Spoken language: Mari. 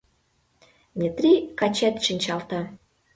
Метри качет шинчалта